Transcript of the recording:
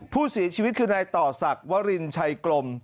ผู้เสียชีวิตคือนายต่อศักดิ์วรินชัยกลม